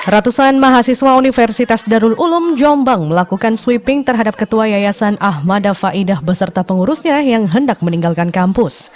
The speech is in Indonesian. ratusan mahasiswa universitas darul ulum jombang melakukan sweeping terhadap ketua yayasan ahmad faidah beserta pengurusnya yang hendak meninggalkan kampus